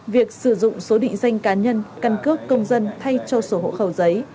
việc sử dụng số định danh cá nhân căn cước công dân thay cho sổ hộ khẩu giấy